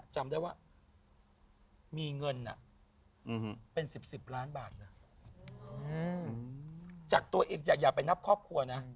จำได้ว่ามีเงินเป็น๑๐๑๐ล้านบาทนะจากตัวเองจะอย่าไปนับครอบครัวนะ